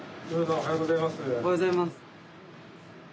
おはようございます。